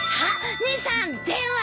姉さん電話。